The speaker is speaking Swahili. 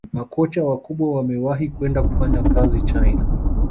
makocha wakubwa wamewahi kwenda kufanya kazi china